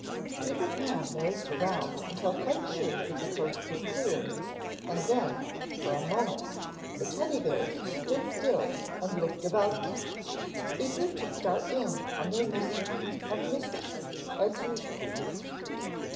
Peter Pan nosed around until quite sure that the coast was clear, and then, for a moment, the Teddy bears stood still and looked about them, eager to start in on their mission of mischief, as usual.